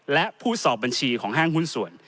และผู้สอบบัญชีของห้างหุ้นส่วน